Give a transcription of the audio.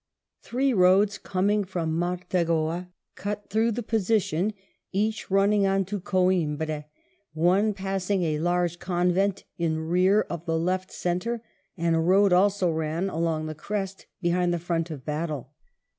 Three roads coming from Martagoa cut through the position, each running on to Coimbra, one passing a large convent in rear of the left centre ; and a road also ran along the crest behind the front of battle.